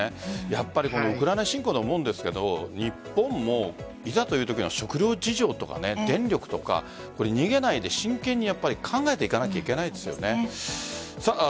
やっぱりウクライナ侵攻で思うんですが日本もいざというときの食料事情とか電力とか、逃げないで真剣に考えていかなければいけないですよね。